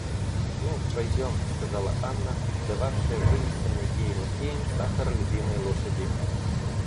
Ну, пойдем, — сказала Анна, дававшая вынесенный ей лакеем сахар любимой лошади.